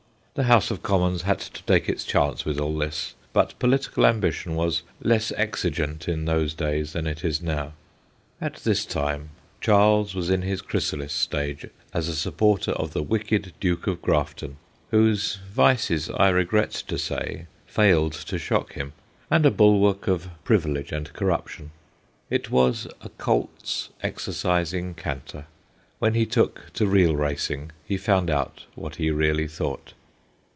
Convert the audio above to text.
The House of Commons had to take its chance with all this, but political ambition was less exigent in those days than it is now. At this time, Charles was in his chrysalis state as a supporter of the wicked Duke of Grafton whose vices, I regret to say, failed to shock him and a bulwark of AMATEUR ACTORS 231 privilege and corruption. It was a colt's exercising canter; when he took to real racing he found out what he really thought.